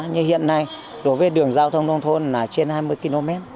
như hiện nay đối với đường giao thông nông thôn là trên hai mươi km